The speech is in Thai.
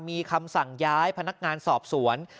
มีคำสั่งย้ายพนักงานสอบสวน